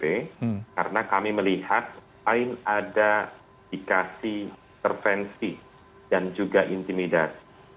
hukumnya kami melihat paling ada dikasih tervensi dan juga intimidasi